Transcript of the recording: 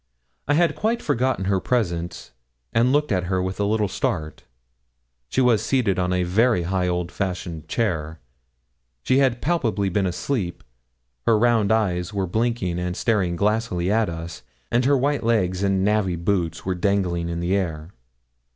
I had quite forgotten her presence, and looked at her with a little start. She was seated on a very high old fashioned chair; she had palpably been asleep; her round eyes were blinking and staring glassily at us; and her white legs and navvy boots were dangling in the air.